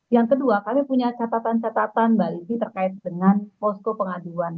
yang kedua kami punya catatan catatan mbak lizzy terkait dengan posko pengaduan